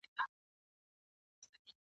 دا ميوند ميوند دښتونه ..